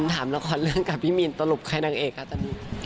ถามละครเรื่องกับพี่มีนสรุปใครนางเอกคะตอนนี้